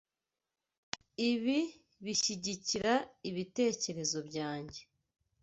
Ibi bishyigikira ibitekerezo byanjye.